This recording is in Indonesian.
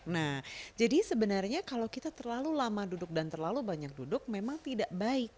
nah jadi sebenarnya kalau kita terlalu lama duduk dan terlalu banyak duduk memang tidak baik